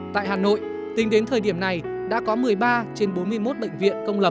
tại hà nội tính đến thời điểm này đã có một mươi ba trên bốn mươi một bệnh viện công lập